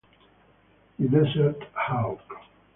The Desert Hawk